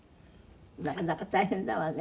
なかなか大変だわね。